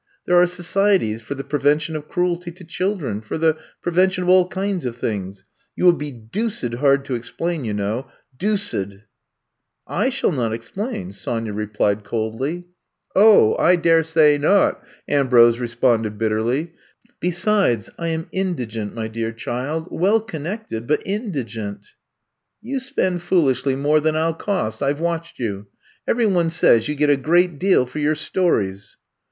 There are societies for the prevention of cruelty to children — for the prevention of all kinds of things. You will be doocid hard to ex plain, you know — doocid I " ^'I shall not explain," Sonya replied coldly. I'VE COME TO STAY 51 0h, I daresay not/* Ambrose re sponded bitterly. Besides, I am indigent, my dear child — ^well connected^ but indi gent!*' You spend foolishly more than I '11 cost — ^I Ve watched you. Every one says you get a great deal for your stories."